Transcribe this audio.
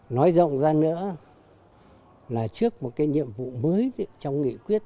nói rộng ra nữa là trước một cái nhiệm vụ mới trong nghị quyết